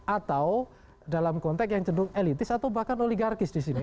atau dalam konteks yang cenderung elitis atau bahkan oligarkis di sini